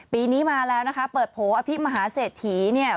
ปีนี้มาแล้วนะคะเปิดโผล่อภิมหาเศรษฐีเนี่ย